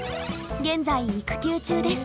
現在育休中です。